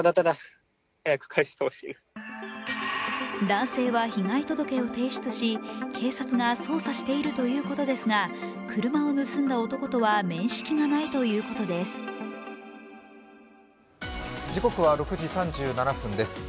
男性は被害届を提出し警察が捜査しているということですが車を盗んだ男とは面識がないということです。